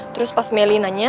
terus pas melly nanya